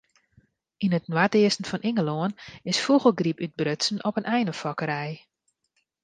Yn it noardeasten fan Ingelân is fûgelgryp útbrutsen op in einefokkerij.